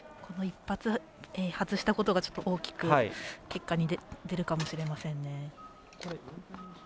１発外したことが大きく結果に出るかもしれませんね。